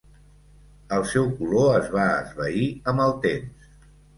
El seu color es va esvair amb el temps.